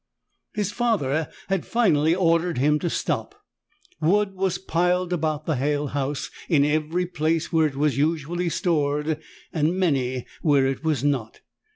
His father had finally ordered him to stop. Wood was piled about the Halle house in every place where it was usually stored and many where it was not.